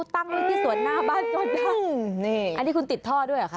ตั้งไว้ที่สวนหน้าบ้านก็ดังนี่อันนี้คุณติดท่อด้วยเหรอคะ